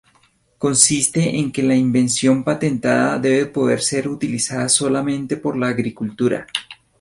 Consiste en que la invención patentada debe poder ser utilizada solamente por la agricultura.